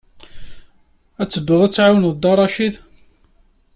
I tedduḍ ad tɛawneḍ Dda Racid?